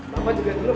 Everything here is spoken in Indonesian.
mama juga dulu